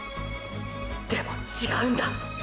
でも違うんだ。